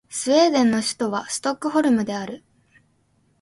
スウェーデンの首都はストックホルムである